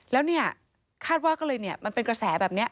แล้วเนี่ยคาดว่าก็เลยเนี่ยมันเป็นกระแสแบบนี้